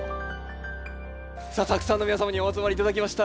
さあたくさんの皆様にお集まり頂きました。